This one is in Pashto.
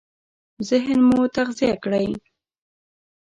ذهن مو تغذيه کړئ!